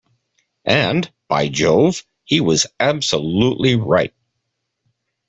And, by Jove, he was absolutely right.